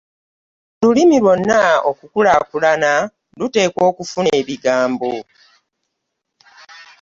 Olulimi lwonna okukulaakulana luteekwa okufuna ebigambo.